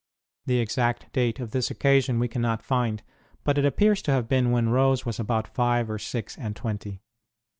The exact date of this occasion we cannot find, but it appears to have been when Rose was about five or six and twenty.